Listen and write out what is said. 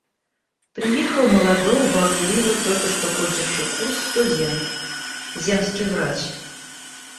Приехал молодой болтливый, только что кончивший курс студент, земский врач.